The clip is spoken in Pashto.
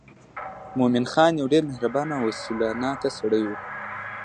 مومن خان یو ډېر مهربانه او وسیله ناکه سړی و.